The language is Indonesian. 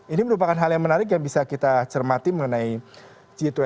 ini merupakan hal yang menarik yang bisa kita cermati mengenai g dua puluh